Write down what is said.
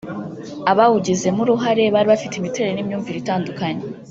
Abawugizemo uruhare bari bafite imiterere n’imyumvire itandukanye